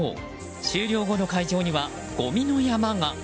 終了後の会場には、ごみの山が。